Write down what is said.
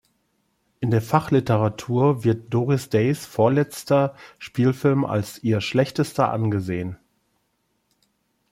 In der Fachliteratur wird Doris Days vorletzter Spielfilm als ihr schlechtester angesehen.